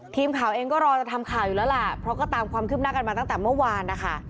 ทีมข่าวเองก็รอจะทำข่าวอยู่แล้วล่ะเพราะก็ตามความคืบหน้ากันมาตั้งแต่เมื่อวานนะคะ